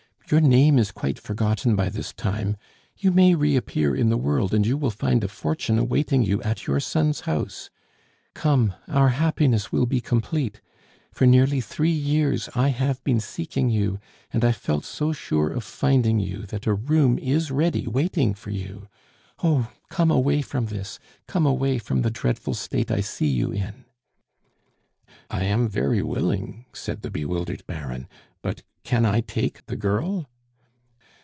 "Your name is quite forgotten by this time; you may reappear in the world, and you will find a fortune awaiting you at your son's house. Come; our happiness will be complete. For nearly three years I have been seeking you, and I felt so sure of finding you that a room is ready waiting for you. Oh! come away from this, come away from the dreadful state I see you in!" "I am very willing," said the bewildered Baron, "but can I take the girl?"